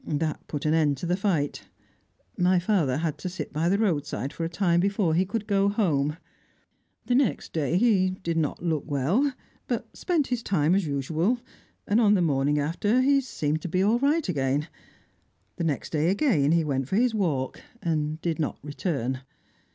That put an end to the fight. My father had to sit by the roadside for a time before he could go home. "The next day he did not look well, but spent his time as usual, and on the morning after, he seemed to be all right again. The next day again he went for his walk, and did not return.